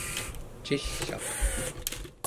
cill'aq